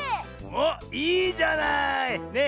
おっいいじゃない！ね。